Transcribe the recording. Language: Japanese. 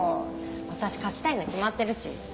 私書きたいの決まってるし。